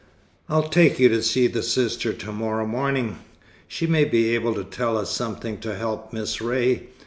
I'll take you to see the sister to morrow morning. She may be able to tell us something to help Miss Ray.